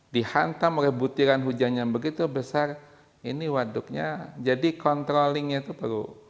dihantam oleh butiran hujan yang begitu besar ini waduknya jadi controllingnya itu perlu